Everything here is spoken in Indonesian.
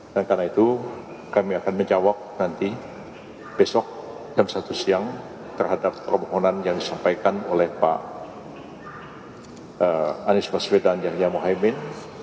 dan karena itu kami akan menjawab nanti besok jam satu siang terhadap permohonan yang disampaikan oleh pak anies masvedan yangya mohaimin